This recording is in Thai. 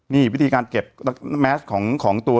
นี่วิธีการเก็บแมสของตัว